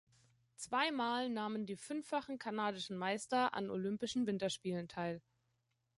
Zweimal nahmen die fünffachen kanadischen Meister an Olympischen Winterspielen teil.